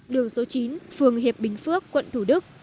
đường số chín phường hiệp bình phước quận thủ đức